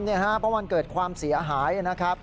เพราะวันเกิดความเสี่ยหาย